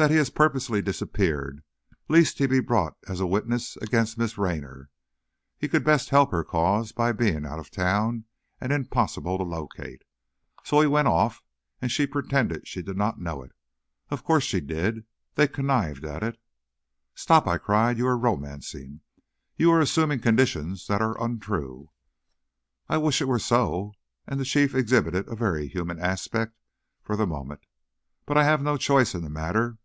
"That he has purposely disappeared, lest he be brought as a witness against Miss Raynor. He could best help her cause, by being out of town and impossible to locate. So, he went off, and she pretended she did not know it. Of course, she did, they connived at it " "Stop!" I cried, "you are romancing. You are assuming conditions that are untrue!" "I wish it were so," and the Chief exhibited a very human aspect for the moment; "but I have no choice in the matter.